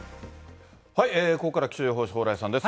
ここからは気象予報士、蓬莱さんです。